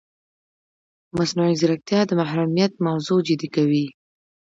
مصنوعي ځیرکتیا د محرمیت موضوع جدي کوي.